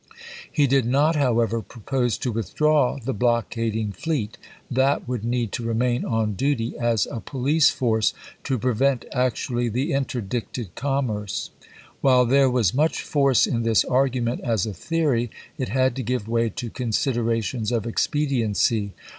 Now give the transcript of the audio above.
He did not however propose to withdraw the blockading fleet; olSon. that would need to remain on duty as a police Aug^i$6i. £^j.^g |.Q prevent actually the interdicted commerce. While there was much force in this argument as a theory, it had to give way to considerations of ex pediency.